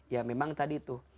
ya memang tadi itu